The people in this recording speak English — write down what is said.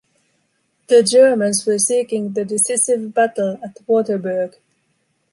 The Germans were seeking the decisive battle at Waterberg.